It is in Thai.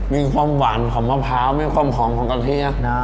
มีความหวานของของข้าวเว้นของของกะเทียนะ